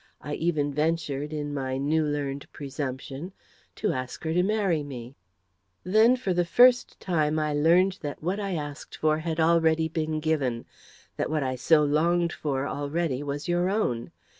I even ventured, in my new learned presumption, to ask her would she marry me. Then for the first time I learned that what I asked for already had been given, that what I so longed for already was your own.